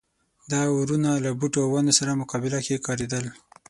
دا اورونه له بوټو او ونو سره مقابله کې کارېدل.